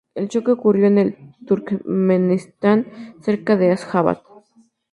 El choque ocurrió en Turkmenistán, cerca de Asjabad.